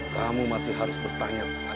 kamu masih harus bertanya kepada aku